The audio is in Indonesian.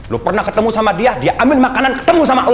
lu pernah ketemu sama dia dia ambil makanan ketemu sama allah